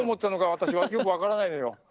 私はよく分からないのよ。